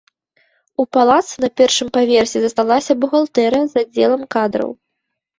У палацы на першым паверсе засталася бухгалтэрыя з аддзелам кадраў.